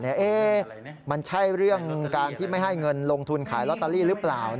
ว่ามันใช่เรื่องการที่ไม่ให้เงินลงทุนขายลอตเตอรี่หรือเปล่า